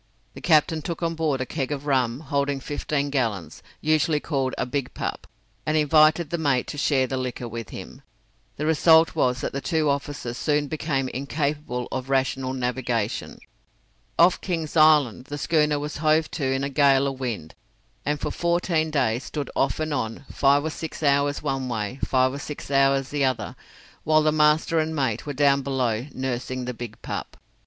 The captain took on board a keg of rum, holding fifteen gallons, usually called a "Big Pup," and invited the mate to share the liquor with him. The result was that the two officers soon became incapable of rational navigation. Off King's Island the schooner was hove to in a gale of wind, and for fourteen days stood off and on five or six hours one way, and five or six hours the other while the master and mate were down below, "nursing the Big Pup."